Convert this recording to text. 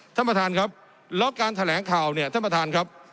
ท่านประธานครับแล้วการแถลงข่าวเนี่ยท่านประธานครับ